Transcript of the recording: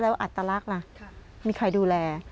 อัตลักษณ์ล่ะมีใครดูแล